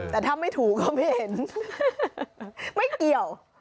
แต่ถ้าไม่ถูกก็ไม่เห็นไม่เกี่ยว